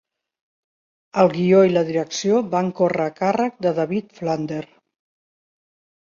El guió i la direcció van córrer a càrrec de David Flander.